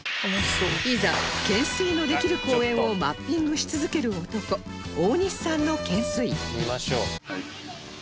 いざ懸垂のできる公園をマッピングし続ける男大西さんの懸垂